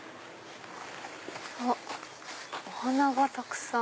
あっお花がたくさん。